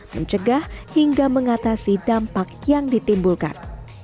mencegah hingga mengatasi dampak yang ditimbulkan